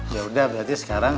ya udah berarti sekarang